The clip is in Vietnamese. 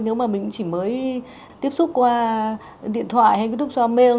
nếu mà mình chỉ mới tiếp xúc qua điện thoại hay cái túc xoa mail